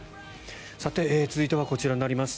さて、続いてはこちらになります。